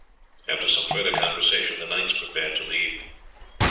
After some further conversation the knights prepared to leave.